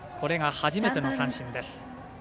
初めての三振です。